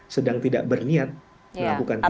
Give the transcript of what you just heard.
sedang tidak berniat melakukan tindakan